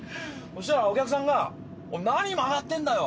そしたらお客さんが「てめえ何やってんだよ！」